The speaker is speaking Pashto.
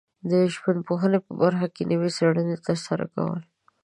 د ژبپوهنې په برخه کې د نویو څېړنو ترسره کول